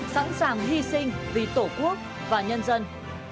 sẵn sàng hy sinh vì tổ quốc và nhân dân